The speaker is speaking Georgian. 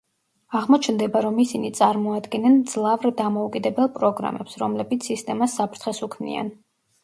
აღმოჩნდება, რომ ისინი წარმოადგენენ მძლავრ დამოუკიდებელ პროგრამებს, რომლებიც სისტემას საფრთხეს უქმნიან.